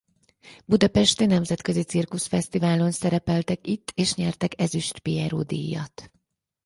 Budapesti Nemzetközi Cirkuszfesztiválon szerepeltek itt és nyertek Ezüst Pirreot-díjat.